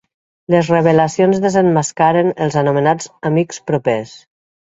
Les revelacions desemmascaren els anomenats amics propers.